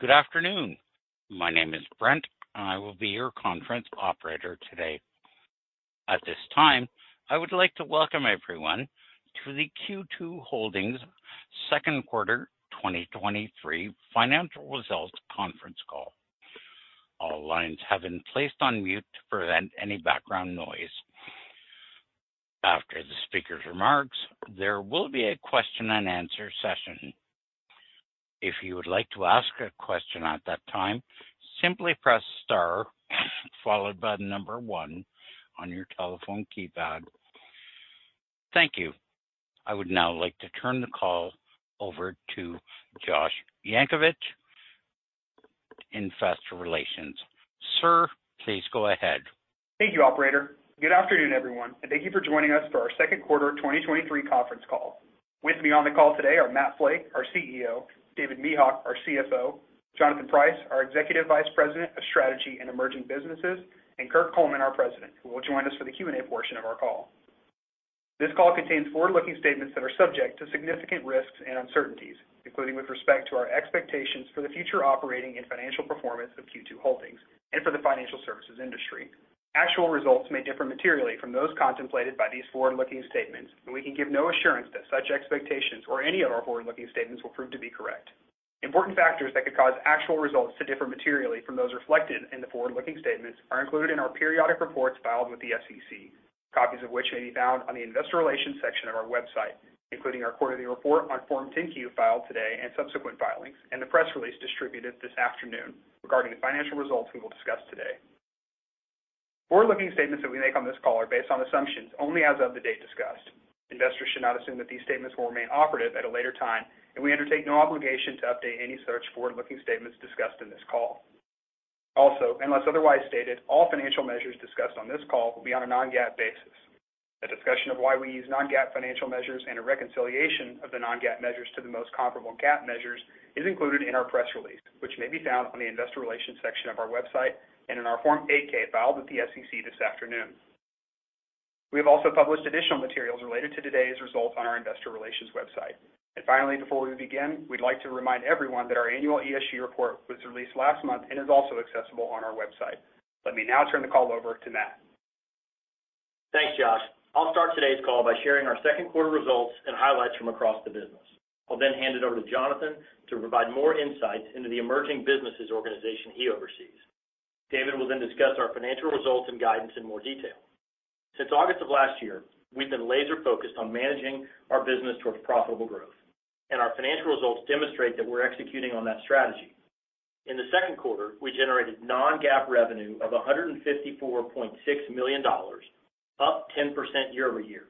Good afternoon. My name is Brent, I will be your conference operator today. At this time, I would like to welcome everyone to the Q2 Holdings Second Quarter 2023 Financial Results Conference Call. All lines have been placed on mute to prevent any background noise. After the speaker's remarks, there will be a question-and-answer session. If you would like to ask a question at that time, simply press star, followed by one on your telephone keypad. Thank you. I would now like to turn the call over to Josh Yankovich, Investor Relations. Sir, please go ahead. Thank you, operator. Good afternoon, everyone, and thank you for joining us for our Second Quarter 2023 Conference Call. With me on the call today are Matt Flake, our CEO, David Mehok, our CFO, Jonathan Price, our Executive Vice President of Strategy and Emerging Businesses, and Kirk Coleman, our President, who will join us for the Q&A portion of our call. This call contains forward-looking statements that are subject to significant risks and uncertainties, including with respect to our expectations for the future operating and financial performance of Q2 Holdings and for the financial services industry. Actual results may differ materially from those contemplated by these forward-looking statements, and we can give no assurance that such expectations or any of our forward-looking statements will prove to be correct. Important factors that could cause actual results to differ materially from those reflected in the forward-looking statements are included in our periodic reports filed with the SEC, copies of which may be found on the Investor Relations section of our website, including our quarterly report on Form 10-Q filed today and subsequent filings, and the press release distributed this afternoon regarding the financial results we will discuss today. Forward-looking statements that we make on this call are based on assumptions only as of the date discussed. Investors should not assume that these statements will remain operative at a later time, and we undertake no obligation to update any such forward-looking statements discussed in this call. Also, unless otherwise stated, all financial measures discussed on this call will be on a non-GAAP basis. A discussion of why we use non-GAAP financial measures and a reconciliation of the non-GAAP measures to the most comparable GAAP measures is included in our press release, which may be found on the Investor Relations section of our website and in our Form 8-K filed with the SEC this afternoon. We have also published additional materials related to today's results on our Investor Relations website. Finally, before we begin, we'd like to remind everyone that our annual ESG report was released last month and is also accessible on our website. Let me now turn the call over to Matt. Thanks, Josh. I'll start today's call by sharing our second quarter results and highlights from across the business. I'll then hand it over to Jonathan to provide more insights into the emerging businesses organization he oversees. David will then discuss our financial results and guidance in more detail. Since August of last year, we've been laser-focused on managing our business towards profitable growth, and our financial results demonstrate that we're executing on that strategy. In the second quarter, we generated non-GAAP revenue of $154.6 million, up 10% year-over-year.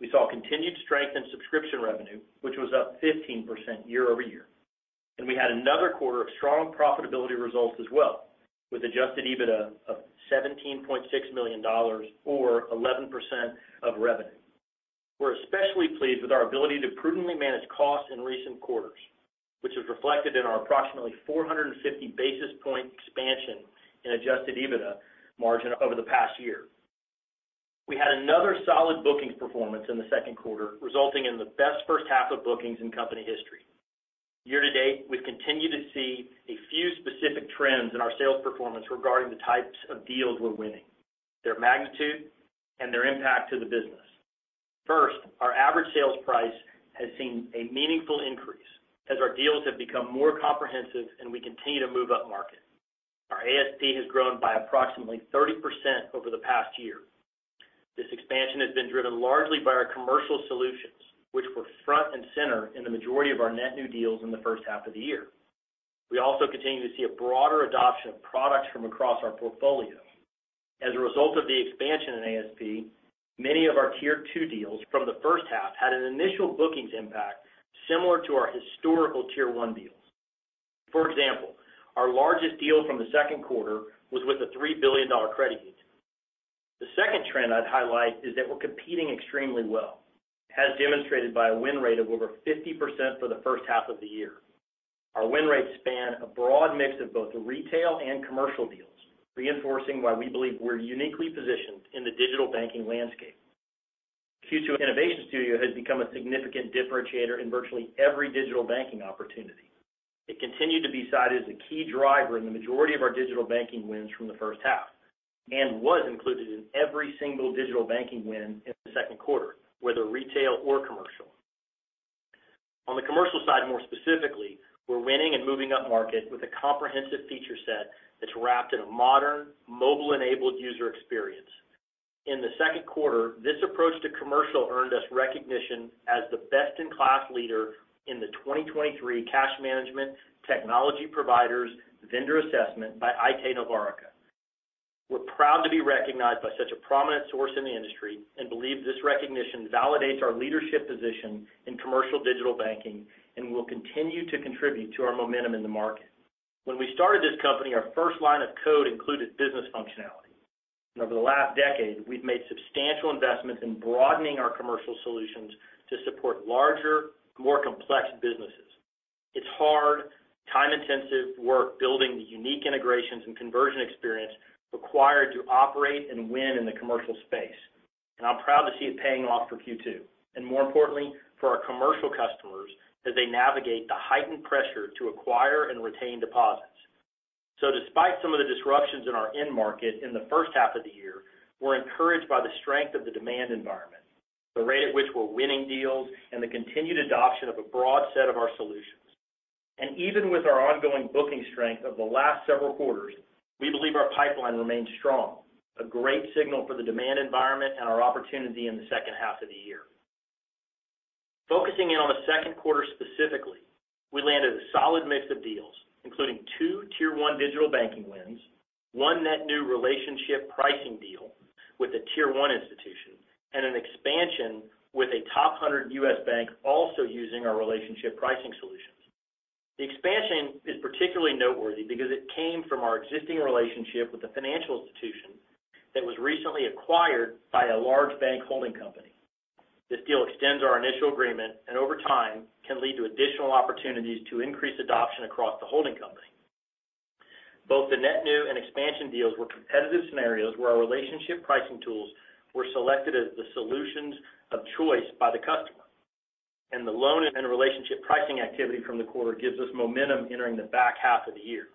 We saw continued strength in subscription revenue, which was up 15% year-over-year, and we had another quarter of strong profitability results as well, with adjusted EBITDA of $17.6 million or 11% of revenue. We're especially pleased with our ability to prudently manage costs in recent quarters, which is reflected in our approximately 450 basis point expansion in adjusted EBITDA margin over the past year. We had another solid bookings performance in the second quarter, resulting in the best first half of bookings in company history. Year to date, we've continued to see a few specific trends in our sales performance regarding the types of deals we're winning, their magnitude, and their impact to the business. First, our average sales price has seen a meaningful increase as our deals have become more comprehensive and we continue to move up market. Our ASP has grown by approximately 30% over the past year. This expansion has been driven largely by our commercial solutions, which were front and center in the majority of our net new deals in the first half of the year. We also continue to see a broader adoption of products from across our portfolio. As a result of the expansion in ASP, many of our tier two deals from the first half had an initial bookings impact similar to our historical Tier 1 deals. For example, our largest deal from the second quarter was with a $3 billion credit union. The second trend I'd highlight is that we're competing extremely well, as demonstrated by a win rate of over 50% for the first half of the year. Our win rates span a broad mix of both retail and commercial deals, reinforcing why we believe we're uniquely positioned in the digital banking landscape. Q2 Innovation Studio has become a significant differentiator in virtually every digital banking opportunity. It continued to be cited as a key driver in the majority of our digital banking wins from the first half, and was included in every single digital banking win in the second quarter, whether retail or commercial. On the commercial side, more specifically, we're winning and moving up market with a comprehensive feature set that's wrapped in a modern, mobile-enabled user experience. In the second quarter, this approach to commercial earned us recognition as the best-in-class leader in the 2023 Cash Management Technology Providers Vendor Assessment by Aite-Novarica. We're proud to be recognized by such a prominent source in the industry and believe this recognition validates our leadership position in commercial digital banking and will continue to contribute to our momentum in the market. When we started this company, our first line of code included business functionality. Over the last decade, we've made substantial investments in broadening our commercial solutions to support larger, more complex businesses. It's time-intensive work building the unique integrations and conversion experience required to operate and win in the commercial space. I'm proud to see it paying off for Q2, and more importantly, for our commercial customers as they navigate the heightened pressure to acquire and retain deposits. Despite some of the disruptions in our end market in the first half of the year, we're encouraged by the strength of the demand environment, the rate at which we're winning deals, and the continued adoption of a broad set of our solutions. Even with our ongoing booking strength over the last several quarters, we believe our pipeline remains strong, a great signal for the demand environment and our opportunity in the second half of the year. Focusing in on the second quarter specifically, we landed a solid mix of deals, including two Tier 1 digital banking wins, 1 net new relationship pricing deal with a Tier 1 institution, and an expansion with a top 100 U.S. bank also using our relationship pricing solutions. The expansion is particularly noteworthy because it came from our existing relationship with a financial institution that was recently acquired by a large bank holding company. This deal extends our initial agreement, and over time, can lead to additional opportunities to increase adoption across the holding company. Both the net new and expansion deals were competitive scenarios where our relationship pricing tools were selected as the solutions of choice by the customer. The loan and relationship pricing activity from the quarter gives us momentum entering the back half of the year.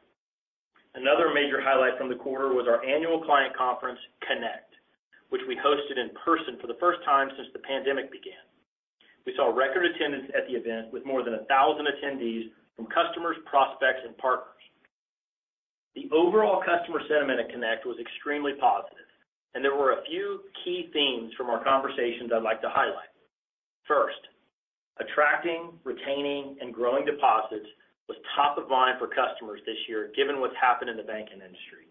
Another major highlight from the quarter was our annual client conference, CONNECT, which we hosted in person for the first time since the pandemic began. We saw record attendance at the event, with more than 1,000 attendees from customers, prospects, and partners. The overall customer sentiment at CONNECT was extremely positive. There were a few key themes from our conversations I'd like to highlight. First, attracting, retaining, and growing deposits was top of mind for customers this year, given what's happened in the banking industry.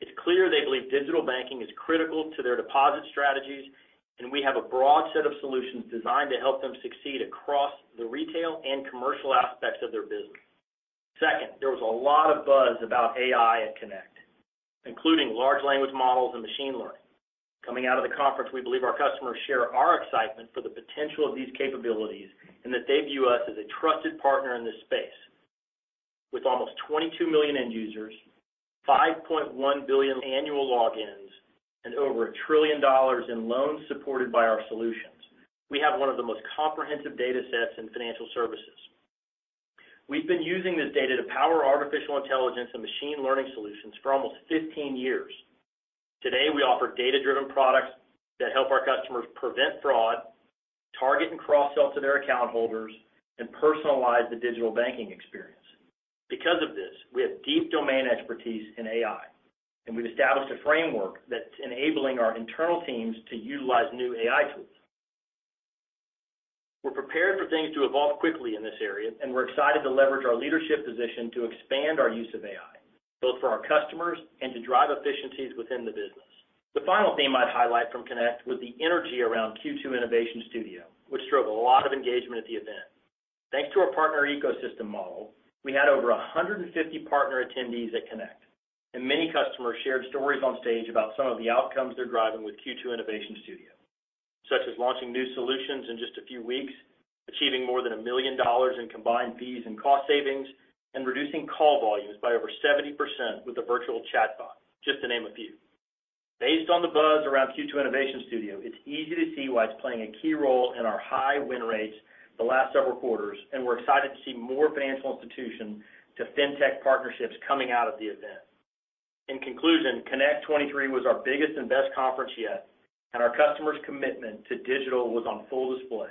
It's clear they believe digital banking is critical to their deposit strategies, and we have a broad set of solutions designed to help them succeed across the retail and commercial aspects of their business. Second, there was a lot of buzz about AI at CONNECT, including large language models and machine learning. Coming out of the conference, we believe our customers share our excitement for the potential of these capabilities and that they view us as a trusted partner in this space. With almost 22 million end users, 5.1 billion annual logins, and over $1 trillion in loans supported by our solutions, we have one of the most comprehensive datasets in financial services. We've been using this data to power artificial intelligence and machine learning solutions for almost 15 years. Today, we offer data-driven products that help our customers prevent fraud, target and cross-sell to their account holders, and personalize the digital banking experience. Because of this, we have deep domain expertise in AI, and we've established a framework that's enabling our internal teams to utilize new AI tools. We're prepared for things to evolve quickly in this area, and we're excited to leverage our leadership position to expand our use of AI, both for our customers and to drive efficiencies within the business. The final theme I'd highlight from CONNECT was the energy around Q2 Innovation Studio, which drove a lot of engagement at the event. Thanks to our partner ecosystem model, we had over 150 partner attendees at CONNECT, and many customers shared stories on stage about some of the outcomes they're driving with Q2 Innovation Studio, such as launching new solutions in just a few weeks, achieving more than $1 million in combined fees and cost savings, and reducing call volumes by over 70% with a virtual chatbot, just to name a few. Based on the buzz around Q2 Innovation Studio, it's easy to see why it's playing a key role in our high win rates the last several quarters, and we're excited to see more financial institutions to fintech partnerships coming out of the event. In conclusion, CONNECT 23 was our biggest and best conference yet, and our customers' commitment to digital was on full display.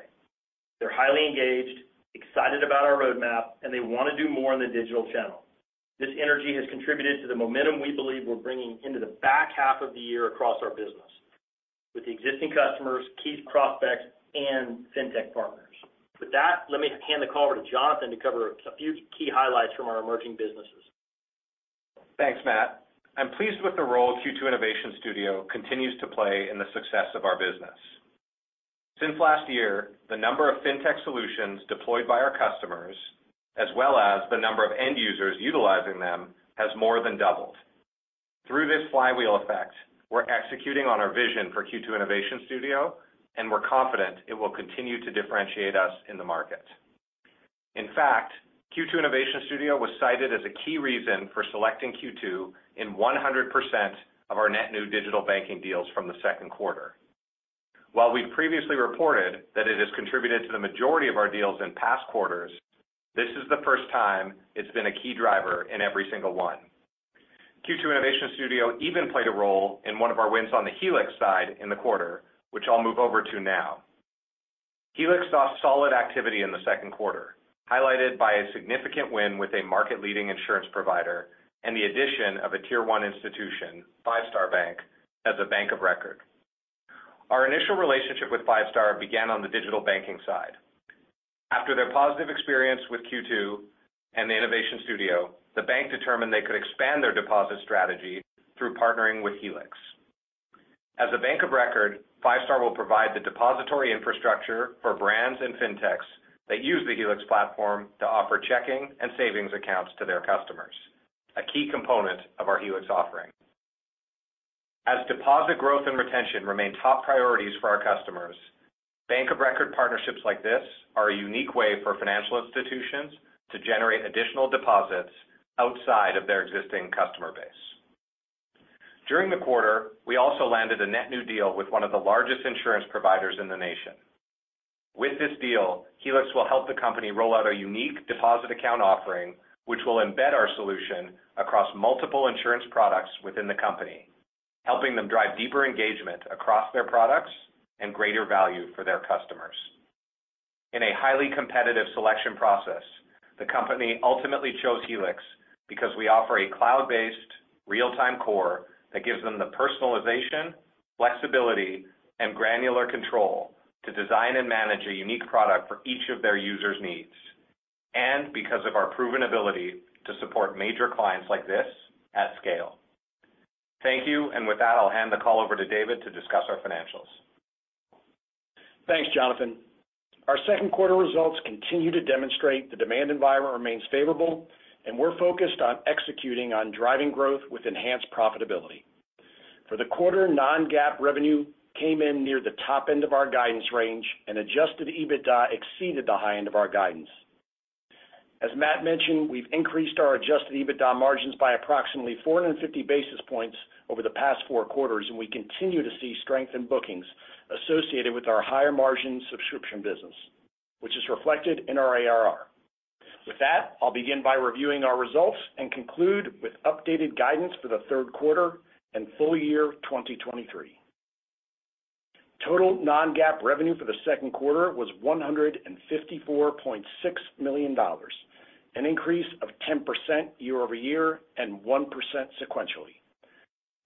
They're highly engaged, excited about our roadmap, and they want to do more in the digital channel. This energy has contributed to the momentum we believe we're bringing into the back half of the year across our business, with the existing customers, key prospects, and fintech partners. With that, let me hand the call over to Jonathan to cover a few key highlights from our emerging businesses. Thanks, Matt. I'm pleased with the role Q2 Innovation Studio continues to play in the success of our business. Since last year, the number of fintech solutions deployed by our customers, as well as the number of end users utilizing them, has more than doubled. Through this flywheel effect, we're executing on our vision for Q2 Innovation Studio, and we're confident it will continue to differentiate us in the market. In fact, Q2 Innovation Studio was cited as a key reason for selecting Q2 in 100% of our net new digital banking deals from the second quarter. While we've previously reported that it has contributed to the majority of our deals in past quarters, this is the first time it's been a key driver in every single one. Q2 Innovation Studio even played a role in one of our wins on the Helix side in the quarter, which I'll move over to now. Helix saw solid activity in the second quarter, highlighted by a significant win with a market-leading insurance provider and the addition of a Tier 1 institution, Five Star Bank, as a bank of record. Our initial relationship with Five Star began on the digital banking side. After their positive experience with Q2 and the Innovation Studio, the bank determined they could expand their deposit strategy through partnering with Helix. As a bank of record, Five Star will provide the depository infrastructure for brands and fintechs that use the Q2 Helix to offer checking and savings accounts to their customers, a key component of our Helix offering. As deposit growth and retention remain top priorities for our customers, bank of record partnerships like this are a unique way for financial institutions to generate additional deposits outside of their existing customer base. During the quarter, we also landed a net new deal with one of the largest insurance providers in the nation. With this deal, Helix will help the company roll out a unique deposit account offering, which will embed our solution across multiple insurance products within the company, helping them drive deeper engagement across their products and greater value for their customers. In a highly competitive selection process, the company ultimately chose Helix because we offer a cloud-based, real-time core that gives them the personalization, flexibility, and granular control to design and manage a unique product for each of their users' needs, and because of our proven ability to support major clients like this at scale. Thank you, with that, I'll hand the call over to David to discuss our financials. Thanks, Jonathan. Our second quarter results continue to demonstrate the demand environment remains favorable, and we're focused on executing on driving growth with enhanced profitability. For the quarter, non-GAAP revenue came in near the top end of our guidance range, and adjusted EBITDA exceeded the high end of our guidance. As Matt mentioned, we've increased our adjusted EBITDA margins by approximately 450 basis points over the past four quarters, and we continue to see strength in bookings associated with our higher margin subscription business, which is reflected in our ARR. With that, I'll begin by reviewing our results and conclude with updated guidance for the third quarter and full-year 2023. Total non-GAAP revenue for the second quarter was $154.6 million, an increase of 10% year-over-year and 1% sequentially.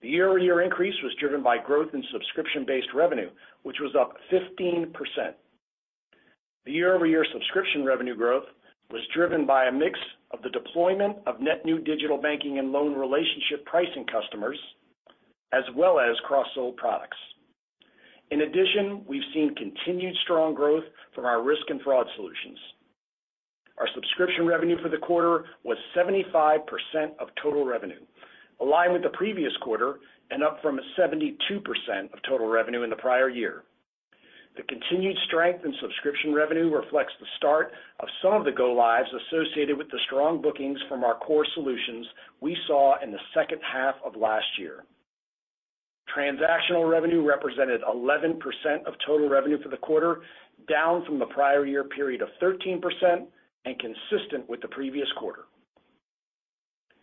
The year-over-year increase was driven by growth in subscription-based revenue, which was up 15%. The year-over-year subscription revenue growth was driven by a mix of the deployment of net new digital banking and loan relationship pricing customers, as well as cross-sold products. We've seen continued strong growth from our risk and fraud solutions. Our subscription revenue for the quarter was 75% of total revenue, in line with the previous quarter and up from 72% of total revenue in the prior year. The continued strength in subscription revenue reflects the start of some of the go-lives associated with the strong bookings from our core solutions we saw in the second half of last year. Transactional revenue represented 11% of total revenue for the quarter, down from the prior year period of 13% and consistent with the previous quarter.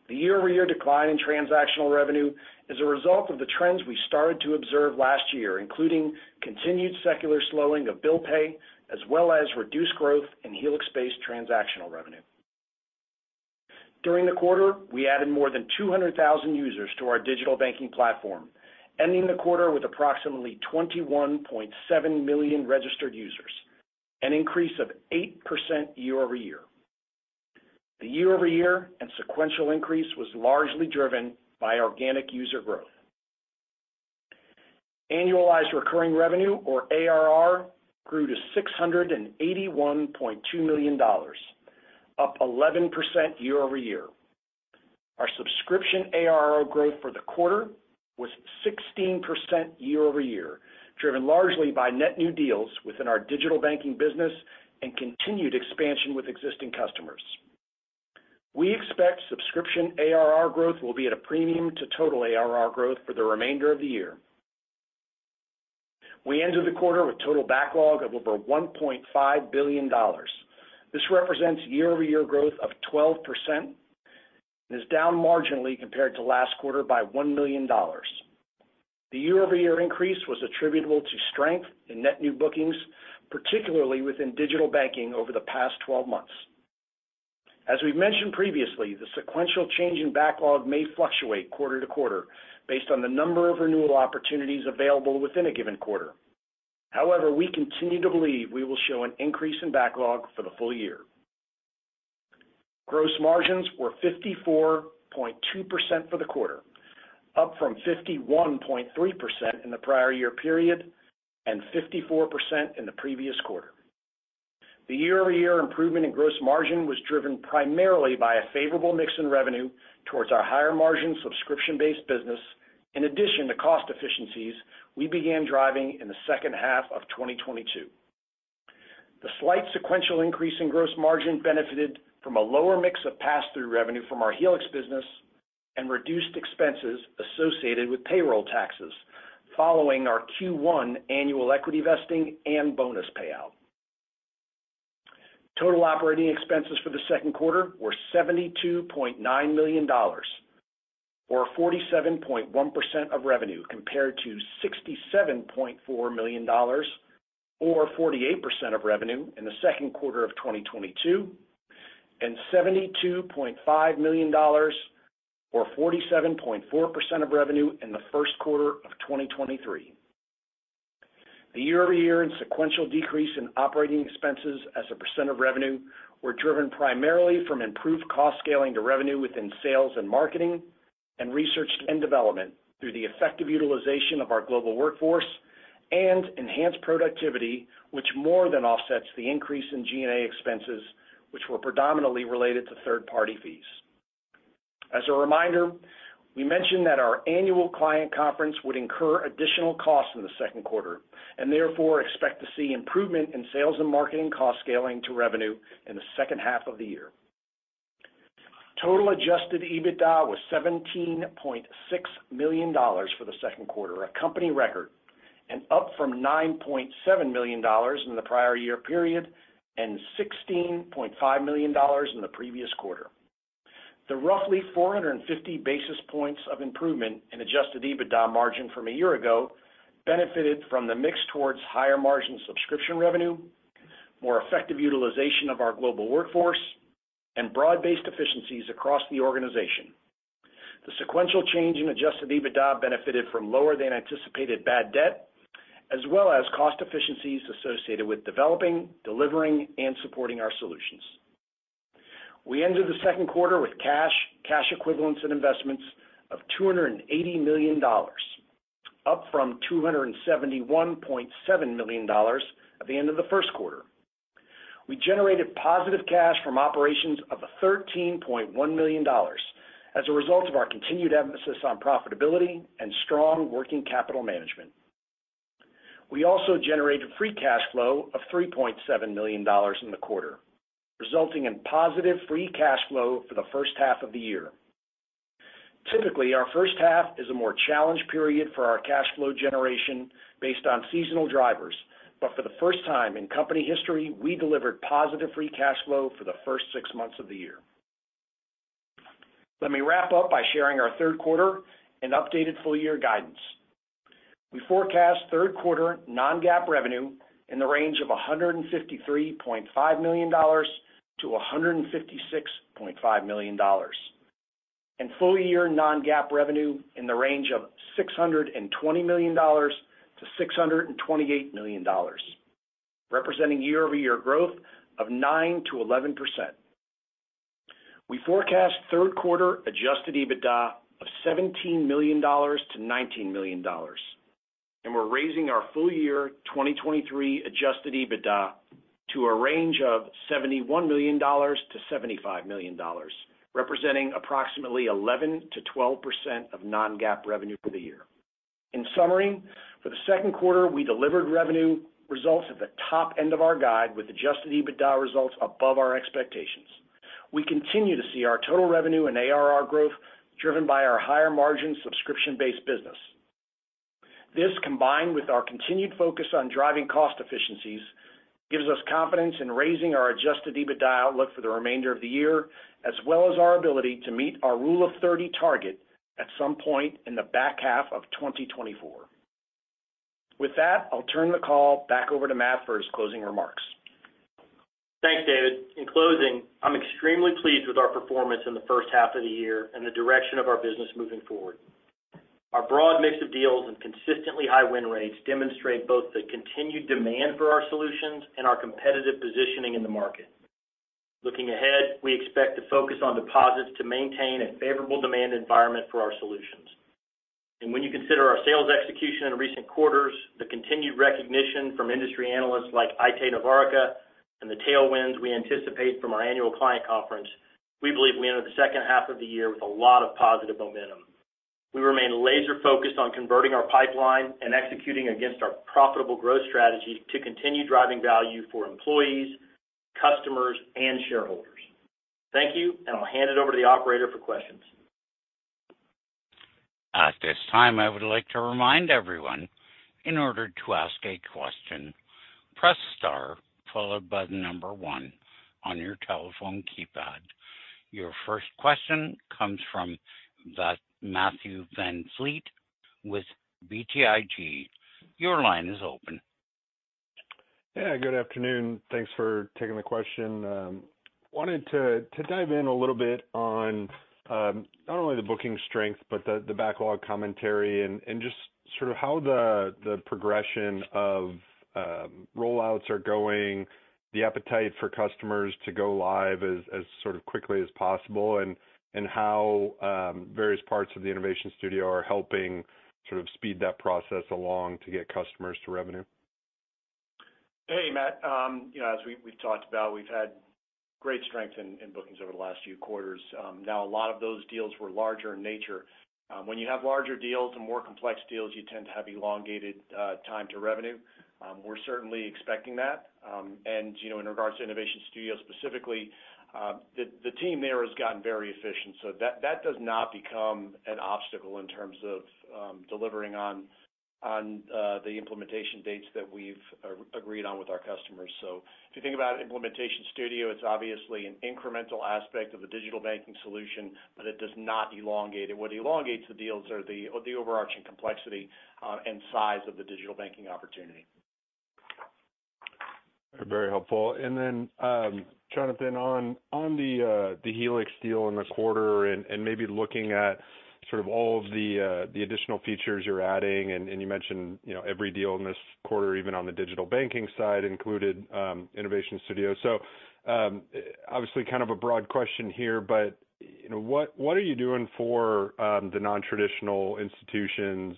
The year-over-year decline in transactional revenue is a result of the trends we started to observe last year, including continued secular slowing of bill pay, as well as reduced growth in Helix-based transactional revenue. During the quarter, we added more than 200,000 users to our digital banking platform, ending the quarter with approximately 21.7 million registered users, an increase of 8% year-over-year. The year-over-year and sequential increase was largely driven by organic user growth. Annualized recurring revenue, or ARR, grew to $681.2 million, up 11% year-over-year. Our subscription ARR growth for the quarter was 16% year-over-year, driven largely by net new deals within our digital banking business and continued expansion with existing customers. We expect subscription ARR growth will be at a premium to total ARR growth for the remainder of the year. We ended the quarter with total backlog of over $1.5 billion. This represents year-over-year growth of 12%, and is down marginally compared to last quarter by $1 million. The year-over-year increase was attributable to strength in net new bookings, particularly within digital banking over the past 12 months. As we've mentioned previously, the sequential change in backlog may fluctuate quarter-to-quarter based on the number of renewal opportunities available within a given quarter. However, we continue to believe we will show an increase in backlog for the full year. Gross margins were 54.2% for the quarter, up from 51.3% in the prior year period and 54% in the previous quarter. The year-over-year improvement in gross margin was driven primarily by a favorable mix in revenue towards our higher-margin, subscription-based business, in addition to cost efficiencies we began driving in the second half of 2022. The slight sequential increase in gross margin benefited from a lower mix of pass-through revenue from our Helix business and reduced expenses associated with payroll taxes following our Q1 annual equity vesting and bonus payout. Total operating expenses for the second quarter were $72.9 million, or 47.1% of revenue, compared to $67.4 million, or 48% of revenue, in the second quarter of 2022, and $72.5 million, or 47.4% of revenue, in the first quarter of 2023. The year-over-year and sequential decrease in operating expenses as a percent of revenue were driven primarily from improved cost scaling to revenue within sales and marketing, and research and development through the effective utilization of our global workforce and enhanced productivity, which more than offsets the increase in G&A expenses, which were predominantly related to third-party fees. As a reminder, we mentioned that our annual client conference would incur additional costs in the second quarter, and therefore expect to see improvement in sales and marketing cost scaling to revenue in the second half of the year. Total adjusted EBITDA was $17.6 million for the second quarter, a company record, and up from $9.7 million in the prior year period, and $16.5 million in the previous quarter. The roughly 450 basis points of improvement in adjusted EBITDA margin from a year ago benefited from the mix towards higher-margin subscription revenue, more effective utilization of our global workforce, and broad-based efficiencies across the organization. The sequential change in adjusted EBITDA benefited from lower than anticipated bad debt, as well as cost efficiencies associated with developing, delivering, and supporting our solutions. We ended the second quarter with cash, cash equivalents, and investments of $280 million, up from $271.7 million at the end of the first quarter. We generated positive cash from operations of $13.1 million as a result of our continued emphasis on profitability and strong working capital management. We also generated free cash flow of $3.7 million in the quarter, resulting in positive free cash flow for the first half of the year. Typically, our first half is a more challenged period for our cash flow generation based on seasonal drivers. For the first time in company history, we delivered positive free cash flow for the first six months of the year. Let me wrap up by sharing our third quarter and updated full-year guidance. We forecast third quarter non-GAAP revenue in the range of $153.5 million-$156.5 million, and full-year non-GAAP revenue in the range of $620 million-$628 million, representing year-over-year growth of 9%-11%. We forecast third quarter adjusted EBITDA of $17 million-$19 million. We're raising our full-year 2023 adjusted EBITDA to a range of $71 million-$75 million, representing approximately 11%-12% of non-GAAP revenue for the year. In summary, for the second quarter, we delivered revenue results at the top end of our guide, with adjusted EBITDA results above our expectations. We continue to see our total revenue and ARR growth driven by our higher-margin subscription-based business. This, combined with our continued focus on driving cost efficiencies, gives us confidence in raising our adjusted EBITDA outlook for the remainder of the year, as well as our ability to meet our rule of thirty target at some point in the back half of 2024. With that, I'll turn the call back over to Matt for his closing remarks. Thanks, David. In closing, I'm extremely pleased with our performance in the first half of the year and the direction of our business moving forward. Our broad mix of deals and consistently high win rates demonstrate both the continued demand for our solutions and our competitive positioning in the market. When you consider our sales execution in recent quarters, the continued recognition from industry analysts like Aite-Novarica, and the tailwinds we anticipate from our annual client conference, we believe we enter the second half of the year with a lot of positive momentum. We remain laser-focused on converting our pipeline and executing against our profitable growth strategy to continue driving value for employees, customers, and shareholders. Thank you, and I'll hand it over to the operator for questions. At this time, I would like to remind everyone, in order to ask a question, press star followed by the number one on your telephone keypad. Your first question comes from the Matthew VanVliet with BTIG. Your line is open. Yeah, good afternoon. Thanks for taking the question. wanted to, to dive in a little bit on, not only the booking strength, but the, the backlog commentary and, and just sort of how the, the progression of, rollouts are going, the appetite for customers to go live as, as sort of quickly as possible, and, and how, various parts of the Innovation Studio are helping sort of speed that process along to get customers to revenue. Hey, Matt. You know, as we've talked about, we've had great strength in bookings over the last few quarters. Now, a lot of those deals were larger in nature. When you have larger deals and more complex deals, you tend to have elongated time to revenue. We're certainly expecting that. And, you know, in regards to Q2 Innovation Studio specifically, the team there has gotten very efficient. So that does not become an obstacle in terms of delivering on the implementation dates that we've agreed on with our customers. So if you think about Implementation Studio, it's obviously an incremental aspect of the digital banking solution, but it does not elongate it. What elongates the deals are the overarching complexity and size of the digital banking opportunity. Very helpful. Jonathan, on the Helix deal in the quarter and maybe sort of all of the additional features you're adding, and you mentioned, you know, every deal in this quarter, even on the digital banking side, included Innovation Studio. Obviously, kind of a broad question here, but, you know, what, what are you doing for the nontraditional institutions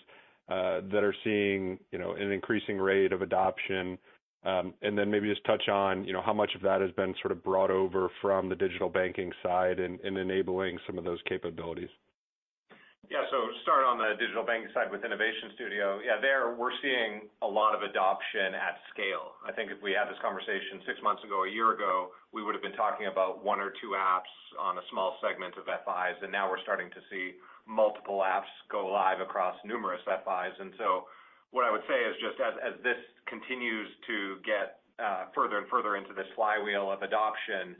that are seeing, you know, an increasing rate of adoption? Maybe just touch on, you know, how much of that has been sort of brought over from the digital banking side in enabling some of those capabilities? Yeah. Start on the digital banking side with Innovation Studio. Yeah, there, we're seeing a lot of adoption at scale. I think if we had this conversation six months ago, a year ago, we would have been talking about one or two apps on a small segment of FIs, and now we're starting to see multiple apps go live across numerous FIs. What I would say is just as, as this continues to get further and further into this flywheel of adoption,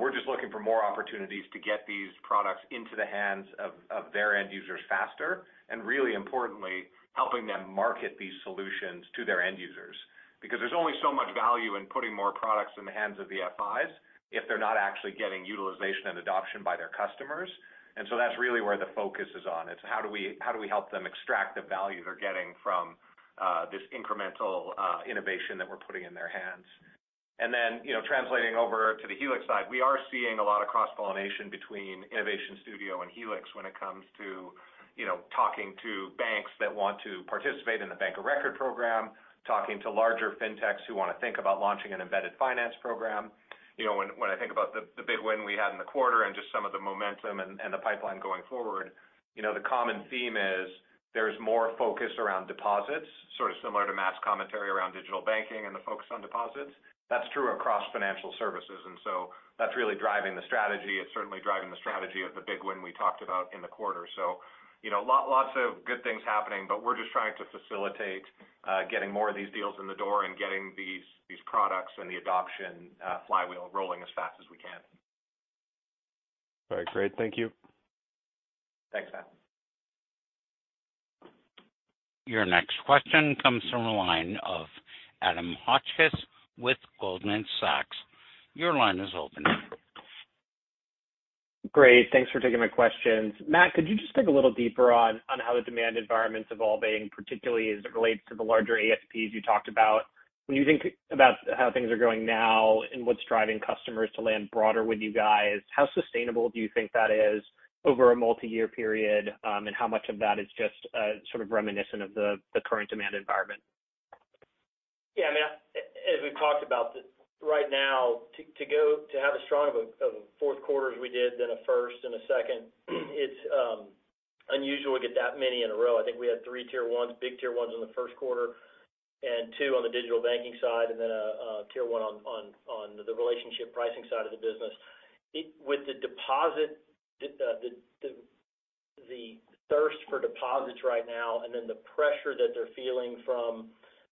we're just looking for more opportunities to get these products into the hands of, of their end users faster, and really importantly, helping them market these solutions to their end users. Because there's only so much value in putting more products in the hands of the FIs, if they're not actually getting utilization and adoption by their customers. So that's really where the focus is on. It's how do we help them extract the value they're getting from this incremental innovation that we're putting in their hands? Then, you know, translating over to the Helix side, we are seeing a lot of cross-pollination between Innovation Studio and Helix when it comes to, you know, talking to banks that want to participate in the Bank of Record program, talking to larger Fintechs who want to think about launching an embedded finance program. You know, when I think about the big win we had in the quarter and just some of the momentum and the pipeline going forward, you know, the common theme is there's more focus around deposits, sort of similar to Matt's commentary around digital banking and the focus on deposits. That's true across financial services. That's really driving the strategy. It's certainly driving the strategy of the big win we talked about in the quarter. You know, lots of good things happening, but we're just trying to facilitate getting more of these deals in the door and getting these, these products and the adoption flywheel rolling as fast as we can. All right, great. Thank you. Thanks, Matt. Your next question comes from the line of Adam Hotchkiss with Goldman Sachs. Your line is open. Great, thanks for taking my questions. Matt, could you just dig a little deeper on, on how the demand environment's evolving, particularly as it relates to the larger ASPs you talked about? When you think about how things are going now and what's driving customers to land broader with you guys, how sustainable do you think that is over a multi-year period, and how much of that is just sort of reminiscent of the, the current demand environment? Yeah, I mean, as we've talked about this, right now, to have as strong of a fourth quarter as we did than a first and a second, it's unusual to get that many in a row. I think we had three Tier 1s, big Tier 1s in the first quarter, and 2 on the digital banking side, and then a tier 1 on the relationship pricing side of the business. With the deposit, the, the, the, the thirst for deposits right now, and then the pressure that they're feeling from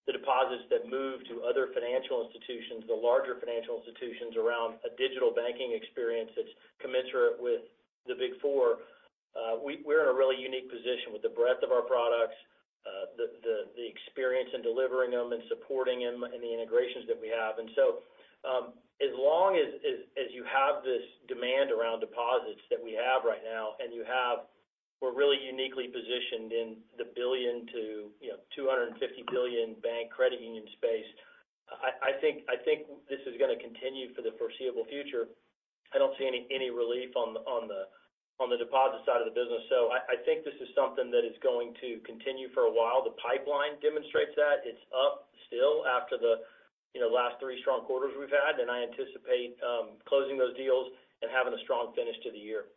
the deposits that move to other financial institutions, the larger financial institutions around a digital banking experience that's commensurate with the big four, we're in a really unique position with the breadth of our products, the, the, the experience in delivering them and supporting them and the integrations that we have. So, as long as, as, as you have this demand around deposits that we have right now, and you have, We're really uniquely positioned in the 1 billion to, you know, 250 billion bank credit union space. I, I think, I think this is going to continue for the foreseeable future. I don't see any, any relief on the, on the, on the deposit side of the business. I, I think this is something that is going to continue for a while. The pipeline demonstrates that. It's up still after the, you know, last three strong quarters we've had, and I anticipate closing those deals and having a strong finish to the year.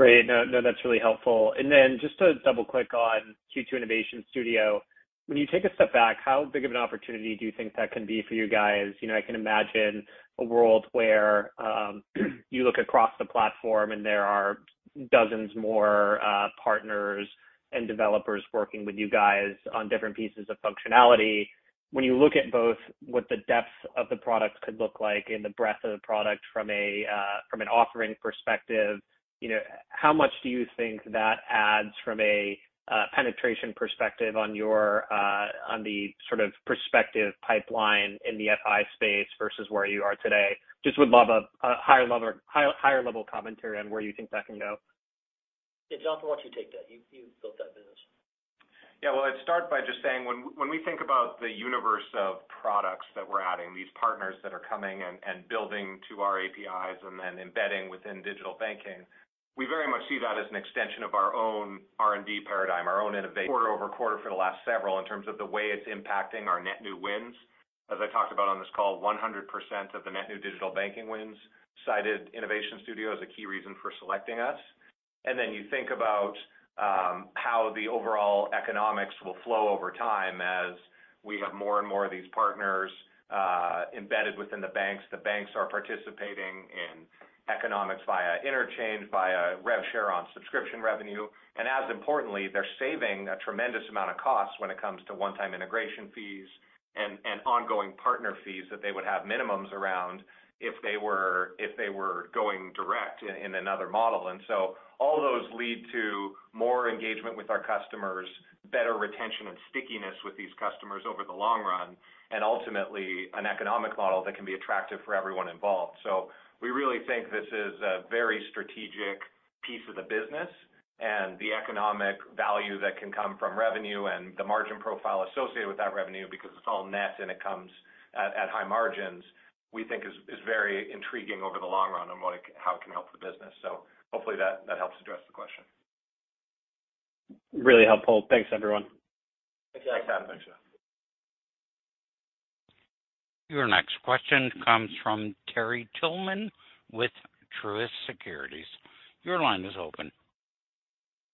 Great. No, no, that's really helpful. Then just to double-click on Q2 Innovation Studio, when you take a step back, how big of an opportunity do you think that can be for you guys? You know, I can imagine a world where you look across the platform and there are dozens more partners and developers working with you guys on different pieces of functionality. When you look at both what the depth of the product could look like and the breadth of the product from a from an offering perspective, you know, how much do you think that adds from a penetration perspective on your on the sort of prospective pipeline in the FI space versus where you are today? Just would love a higher, higher level commentary on where you think that can go. Hey, Jonathan, why don't you take that? You, you built that business. Yeah. Well, I'd start by just saying, when, when we think about the universe of products that we're adding, these partners that are coming and, and building to our APIs and then embedding within digital banking, we very much see that as an extension of our own R&D paradigm, our own innovation quarter-over-quarter for the last several, in terms of the way it's impacting our net new wins. As I talked about on this call, 100% of the net new digital banking wins cited Innovation Studio as a key reason for selecting us. Then you think about how the overall economics will flow over time as we have more and more of these partners embedded within the banks. The banks are participating in economics via interchange, via rev share on subscription revenue. As importantly, they're saving a tremendous amount of costs when it comes to one-time integration fees and, and ongoing partner fees that they would have minimums around if they were, if they were going direct in, in another model. All those lead to more engagement with our customers, better retention and stickiness with these customers over the long run, and ultimately, an economic model that can be attractive for everyone involved. We really think this is a very strategic piece of the business, and the economic value that can come from revenue and the margin profile associated with that revenue, because it's all net and it comes at, at high margins, we think is, is very intriguing over the long run on how it can help the business. Hopefully that, that helps address the question. Really helpful. Thanks, everyone. Thanks, Matt. Thanks, John. Your next question comes from Terry Tillman with Truist Securities. Your line is open.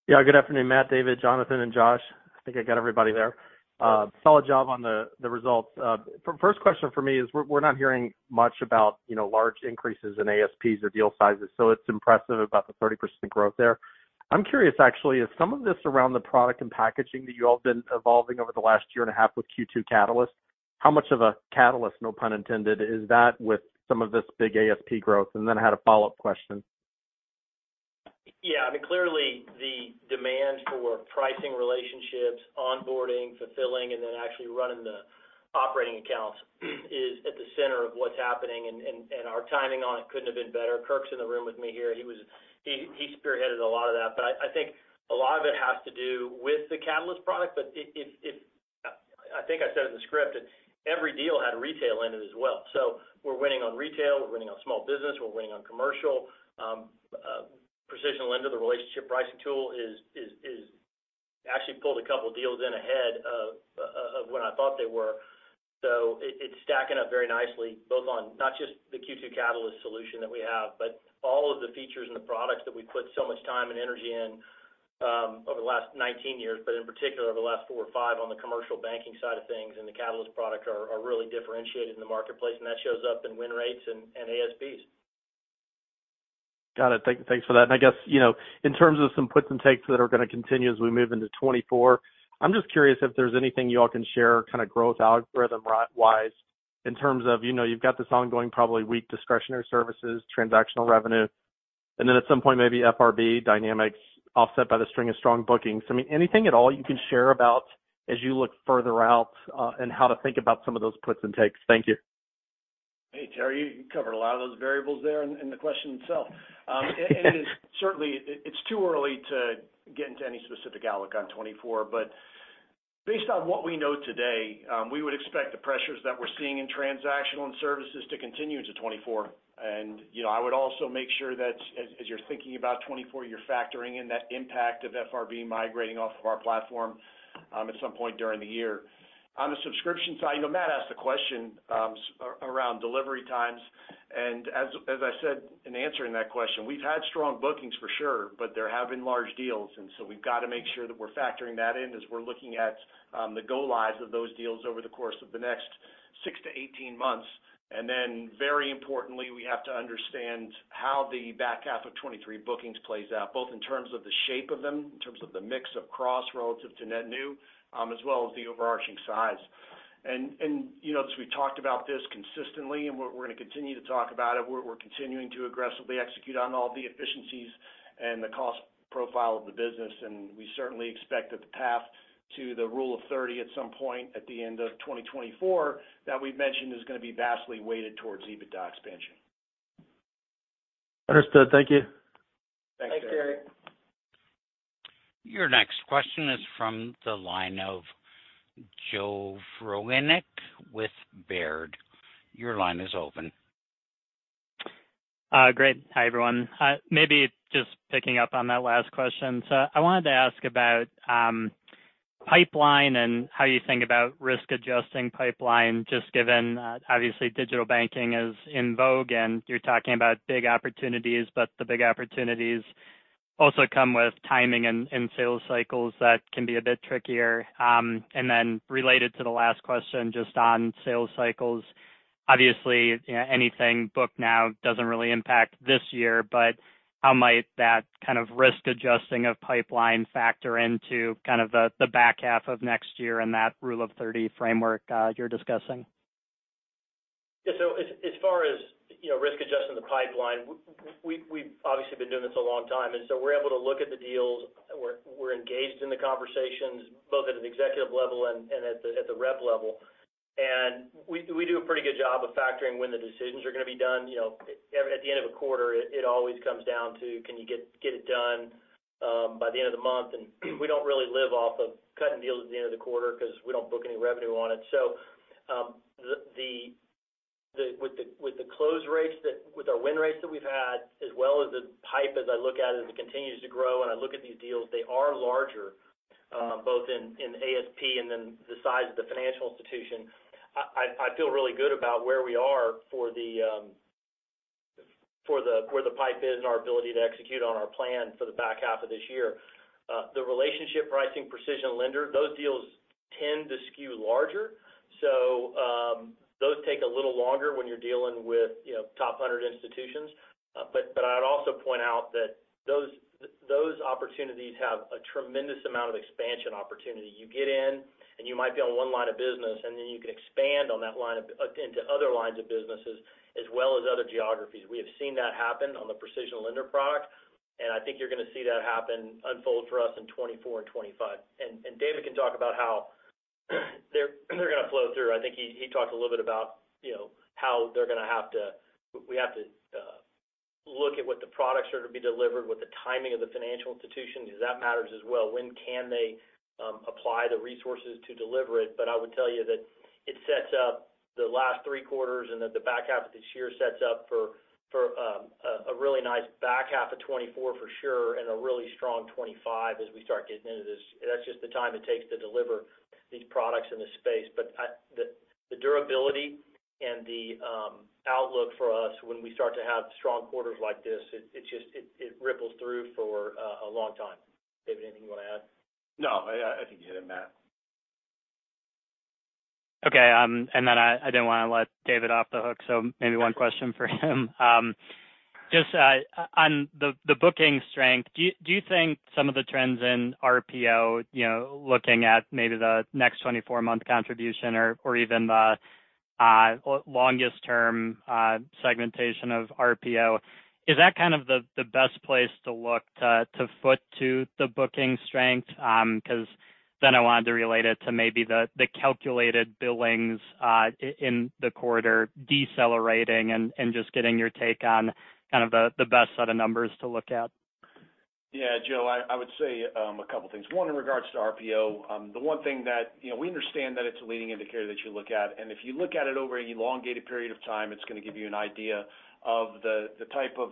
Yeah, good afternoon, Matt, David, Jonathan, and Josh. I think I got everybody there. Solid job on the results. First question for me is, we're not hearing much about, you know, large increases in ASPs or deal sizes, so it's impressive about the 30% growth there. I'm curious, actually, is some of this around the product and packaging that you all have been evolving over the last year and a half with Q2 Catalyst, how much of a catalyst, no pun intended, is that with some of this big ASP growth? Then I had a follow-up question. Yeah, I mean, clearly, the demand for pricing relationships, onboarding, fulfilling, and then actually running the operating accounts is at the center of what's happening, and, and, and our timing on it couldn't have been better. Kirk's in the room with me here. He spearheaded a lot of that. I, I think a lot of it has to do with the Catalyst product, but I think I said in the script, every deal had retail in it as well. We're winning on retail, we're winning on small business, we're winning on commercial. PrecisionLender, the relationship pricing tool, actually pulled a couple of deals in ahead of when I thought they were. It, it's stacking up very nicely, both on not just the Q2 Catalyst solution that we have, but all of the features and the products that we put so much time and energy in, over the last 19 years, but in particular, over the last 4 or 5 on the commercial banking side of things, and the Catalyst product are, are really differentiated in the marketplace, and that shows up in win rates and, and ASPs. Got it. Thank, thanks for that. I guess, you know, in terms of some puts and takes that are going to continue as we move into 2024, I'm just curious if there's anything you all can share, kind of, growth algorithm-wise, in terms of, you know, you've got this ongoing, probably, weak discretionary services, transactional revenue, and then at some point, maybe FRB dynamics offset by the string of strong bookings. I mean, anything at all you can share about as you look further out, and how to think about some of those puts and takes? Thank you. Hey, Terry, you covered a lot of those variables there in, in the question itself. It is certainly, it's too early to get into any specific outlook on 2024, but based on what we know today, we would expect the pressures that we're seeing in transactional and services to continue into 2024. You know, I would also make sure that as you're thinking about 2024, you're factoring in that impact of FRB migrating off of our platform at some point during the year. On the subscription side, you know, Matt asked a question, around delivery times, and as, as I said in answering that question, we've had strong bookings for sure, but there have been large deals, and so we've got to make sure that we're factoring that in as we're looking at the go lives of those deals over the course of the next 6 to 18 months. Then, very importantly, we have to understand how the back half of 2023 bookings plays out, both in terms of the shape of them, in terms of the mix of cross relative to net new, as well as the overarching size. You know, as we talked about this consistently, and we're going to continue to talk about it, we're continuing to aggressively execute on all the efficiencies and the cost profile of the business, and we certainly expect that the path to the rule of thirty at some point at the end of 2024, that we've mentioned, is going to be vastly weighted towards EBITDA expansion. Understood. Thank you. Thanks, Terry. Your next question is from the line of Joe Vruwink with Baird. Your line is open. Great. Hi, everyone. Maybe just picking up on that last question. I wanted to ask about pipeline and how you think about risk-adjusting pipeline, just given, obviously, digital banking is in vogue, and you're talking about big opportunities, but the big opportunities also come with timing and sales cycles that can be a bit trickier. Related to the last question, just on sales cycles, obviously, you know, anything booked now doesn't really impact this year, but how might that kind of risk adjusting of pipeline factor into kind of the, the back half of next year and that Rule of 30 framework you're discussing? Yeah, as far as, you know, risk adjusting the pipeline, we've obviously been doing this a long time, we're able to look at the deals. We're engaged in the conversations, both at an executive level and at the rep level. We do a pretty good job of factoring when the decisions are going to be done. You know, at the end of a quarter, it always comes down to, can you get it done by the end of the month? We don't really live off of cutting deals at the end of the quarter because we don't book any revenue on it. With the, with the close rates, with our win rates that we've had, as well as the pipe, as I look at it, as it continues to grow, and I look at these deals, they are larger, both in ASP and then the size of the financial institution. I, I, I feel really good about where we are for the, for the, where the pipe is and our ability to execute on our plan for the back half of this year. The relationship pricing, PrecisionLender, those deals tend to skew larger, so those take a little longer when you're dealing with, you know, top 100 institutions. But, but I'd also point out that those, those opportunities have a tremendous amount of expansion opportunity. You get in, you might be on one line of business, and then you can expand on that line into other lines of businesses, as well as other geographies. We have seen that happen on the PrecisionLender product. I think you're going to see that happen, unfold for us in 2024 and 2025. David can talk about how they're going to flow through. I think he, he talked a little bit about, you know, we have to look at what the products are to be delivered, what the timing of the financial institution is, that matters as well. When can they apply the resources to deliver it? I would tell you that it sets up the last 3 quarters, and that the back half of this year sets up for, for really nice back half of 2024, for sure, and a really strong 2025 as we start getting into this. That's just the time it takes to deliver these products in the space. The durability and the outlook for us when we start to have strong quarters like this, it, it just, it, it ripples through for a long time. David, anything you want to add? No, I, I think you hit it, Matt. Okay, I didn't want to let David off the hook, so maybe one question for him. Just on the booking strength, do you think some of the trends in RPO, you know, looking at maybe the next 2024-month contribution or even the longest term segmentation of RPO, is that kind of the best place to look to foot to the booking strength? I wanted to relate it to maybe the calculated billings in the quarter decelerating and just getting your take on kind of the best set of numbers to look at. Yeah, Joe, I, I would say a couple of things. One, in regards to RPO, the one thing that, you know, we understand that it's a leading indicator that you look at, and if you look at it over an elongated period of time, it's going to give you an idea of the type of